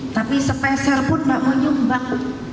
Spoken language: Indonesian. tapi spesial pun gak menyumbang